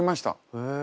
へえ。